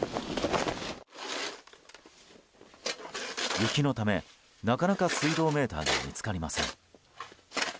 雪のため、なかなか水道メーターが見つかりません。